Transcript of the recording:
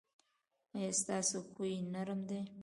ایا ستاسو خوی نرم دی؟